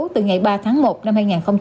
từ ngày ba tháng một năm hai nghìn hai mươi